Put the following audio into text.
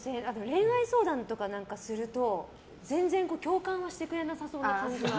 恋愛相談とかすると全然、共感はしてくれなさそう。